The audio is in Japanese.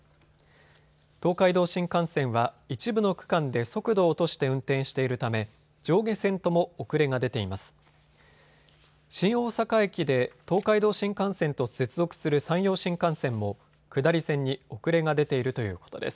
東海道新幹線は一部の区間で速度を落として運転しているため上下線とも遅れが出ています。